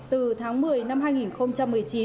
từ tháng một mươi năm hai nghìn một mươi chín